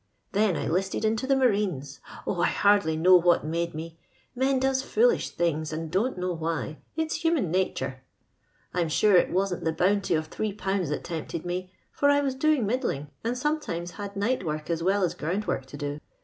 Then I listed into the Marines. Oh^ I hartUff know what made me ; men does foolish things and don't know why ; it's human natur. rm sure it wasn't the bounty of 3/. that tempted me, for I was doing middling, and sometimes had night woric as well as ground work to do.